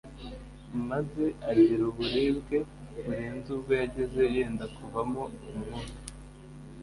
maze agira uburibwe burenze ubwo yagize yenda kuvamo umwuka